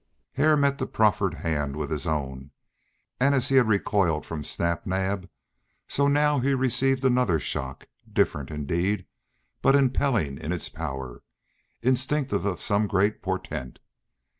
Hare met the proffered hand with his own, and as he had recoiled from Snap Naab so now he received another shock, different indeed but impelling in its power, instinctive of some great portent.